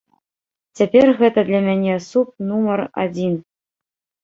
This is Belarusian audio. Цяпер гэта для мяне суп нумар адзін.